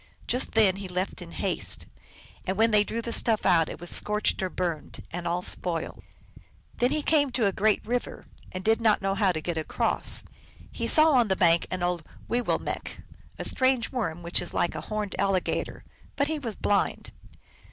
Just then he left in haste. And when they drew the stuff out it was scorched or burned, and all spoiled. Then he came to a great river, and did not know how to get across. He saw on the bank an old Wi willmelcq\ a strange worm which is like a horned al ligator ; but he was blind.